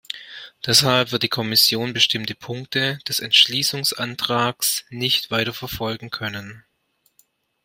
Deshalb wird die Kommission bestimmte Punkte des Entschließungsantrags nicht weiterverfolgen können.